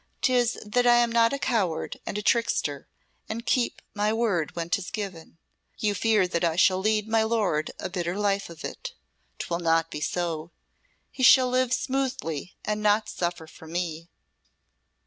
'Tis that I am not a coward and a trickster, and keep my word when 'tis given. You fear that I shall lead my lord a bitter life of it. 'Twill not be so. He shall live smoothly, and not suffer from me.